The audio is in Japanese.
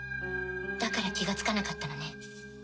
だから気がつかなかったのね。